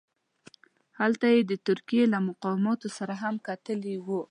هلته یې د ترکیې له مقاماتو سره هم کتلي وه.